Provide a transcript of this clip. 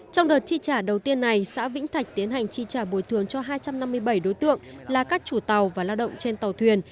trong đợt chi trả đầu tiên này xã vĩnh thạch tiến hành chi trả bồi thường cho hai trăm năm mươi bảy đối tượng là các chủ tàu và lao động trên tàu thuyền